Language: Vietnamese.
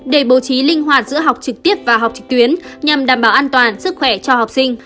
để bố trí linh hoạt giữa học trực tiếp và học trực tuyến nhằm đảm bảo an toàn sức khỏe cho học sinh